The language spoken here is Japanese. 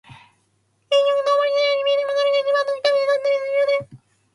結局、遠回りしたように見えても、それが一番の近道だったりするよね。